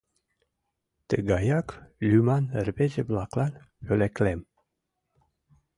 Тыгаяк лӱман рвезе-влаклан пӧлеклем.